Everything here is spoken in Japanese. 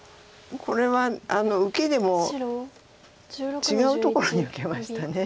これは受けでも違うところに受けました。